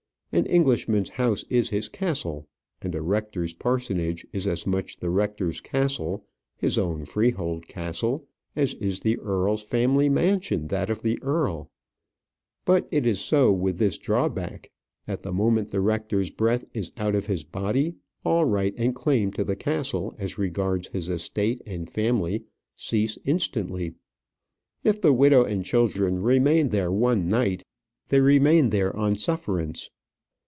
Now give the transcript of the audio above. An Englishman's house is his castle. And a rector's parsonage is as much the rector's castle, his own freehold castle, as is the earl's family mansion that of the earl. But it is so with this drawback, that the moment the rector's breath is out of his body, all right and claim to the castle as regards his estate and family cease instantly. If the widow and children remain there one night, they remain there on sufferance.